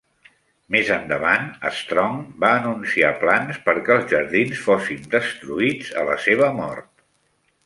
Més endavant, Strong va anunciar plans perquè els jardins fossin "destruïts" a la seva mort.